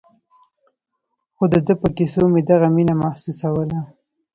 خو د ده په کيسو مې دغه مينه محسوسوله.